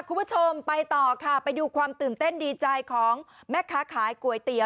คุณผู้ชมไปต่อค่ะไปดูความตื่นเต้นดีใจของแม่ค้าขายก๋วยเตี๋ย